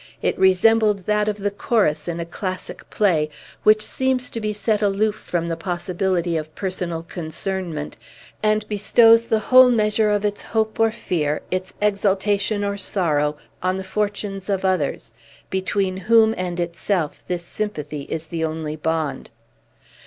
It resembled that of the Chorus in a classic play, which seems to be set aloof from the possibility of personal concernment, and bestows the whole measure of its hope or fear, its exultation or sorrow, on the fortunes of others, between whom and itself this sympathy is the only bond.